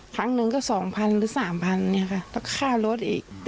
ครั้งหนึ่งก็๒๐๐๐หรือ๓๐๐เนี่ยค่ะต้องค่ารถอีก